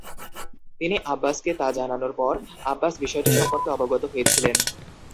তিনি আব্বাসকে তা জানানোর পর আব্বাস বিষয়টি সম্পর্কে অবগত হয়েছিলেন।